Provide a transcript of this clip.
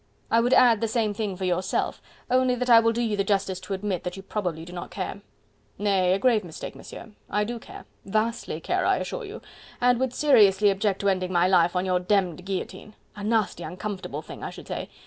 I would add, the same thing for yourself, only that I will do you the justice to admit that you probably do not care." "Nay! a grave mistake, Monsieur.... I do care... vastly care, I assure you ... and would seriously object to ending my life on your demmed guillotine... a nasty, uncomfortable thing, I should say...